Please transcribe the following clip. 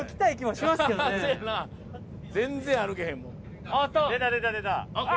全然歩けへんもん。